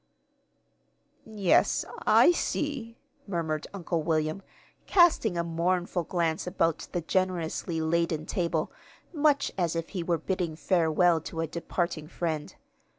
"Yes, I see," murmured Uncle William, casting a mournful glance about the generously laden table, much as if he were bidding farewell to a departing friend.